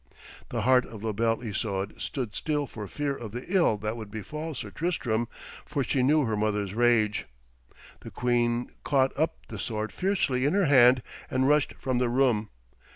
The heart of La Belle Isoude stood still for fear of the ill that would befall Sir Tristram, for she knew her mother's rage. The queen caught up the sword fiercely in her hand and rushed from the room.